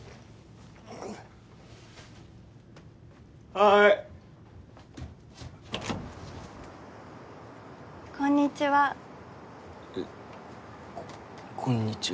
はいこんにちはえっここんにちは